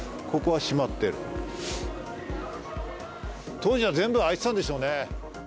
当時は全部開いてたんでしょうね。